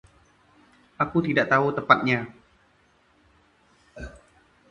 Aku tidak tahu tepatnya.